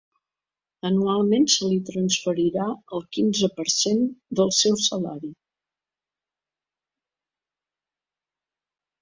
Anualment se li transferirà el quinze per cent del seu salari.